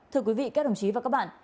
thưa quý vị các đồng chí và các bạn